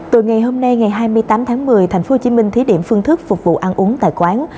từ ngày hôm nay ngày hai mươi tám tháng một mươi tp hcm thí điểm phương thức phục vụ ăn uống tại quán